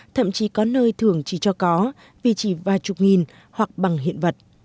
thậm chí có nơi thường chỉ cho có vì chỉ vài chục nghìn hoặc bằng hiện vật